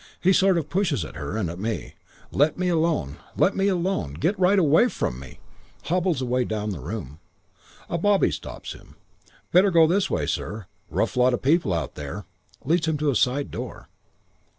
He sort of pushes at her and at me: 'Let me alone. Let me alone. Get right away from me.' Hobbles away down the room. "A bobby stops him. 'Better go this way, sir. Rough lot of people out there.' Leads him to a side door.